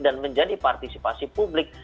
dan menjadi partisipasi publik